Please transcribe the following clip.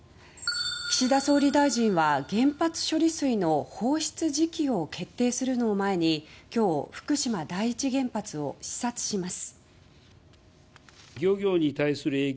岸田総理大臣は、原発処理水の放出時期を決定するのを前に今日、福島第一原発を視察します。